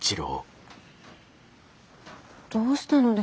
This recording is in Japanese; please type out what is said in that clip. どうしたのですか？